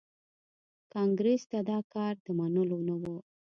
کانګریس ته دا کار د منلو نه و.